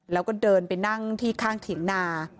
แล้วก็เดินไปนั่งที่ข้างเถียงนา